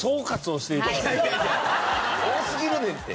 多すぎるねんて！